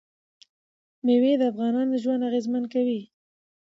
مېوې د افغانانو ژوند اغېزمن کوي.